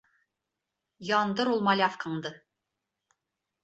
Яндыр ул малявкаңды.